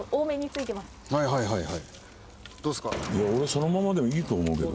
俺そのままでもいいと思うけど。